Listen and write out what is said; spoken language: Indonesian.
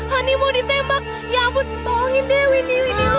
hani mau ditembak ya ampun tolongin deh winnie